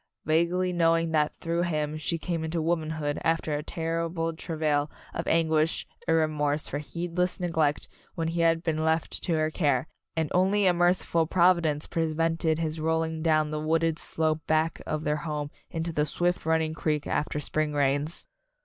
vaguely knowing that through him she came into womanhood after a terrible travail of anguish and remorse for heedless neglect when he had been left to her care, and only a merciful provi dence prevented his rolling down the wooded slope back of their home into the swift running creek after spring rains.